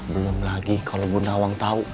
belum lagi kalau bunda nawang tahu